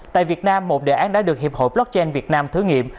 tại việt nam một đề án đã được hiệp hội blockchain việt nam thử nghiệm